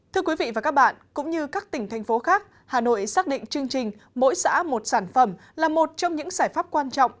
thưa quý vị và các bạn cũng như các tỉnh thành phố khác hà nội xác định chương trình mỗi xã một sản phẩm là một trong những giải pháp quan trọng